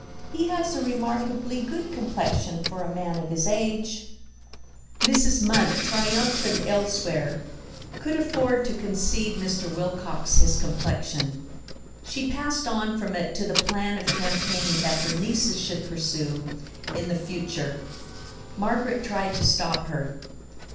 "He has a remarkably good complexion for a man of his age." Mrs. Munt, triumphant elsewhere, could afford to concede Mr. Wilcox his complexion. She passed on from it to the plan of campaign that her nieces should pursue in the future. Margaret tried to stop her.